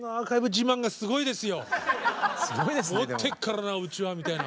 持ってっからなうちはみたいな。